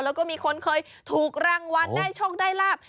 แล้วก็มีคนเคยถูกรางวัลได้โชคได้ลาบ